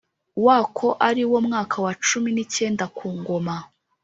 Wako ari wo mwaka wa cumi n icyenda ku ngoma